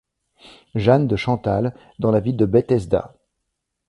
Jane de Chantal dans la ville de Bethesda.